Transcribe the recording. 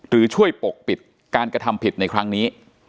ช่วยปกปิดการกระทำผิดในครั้งนี้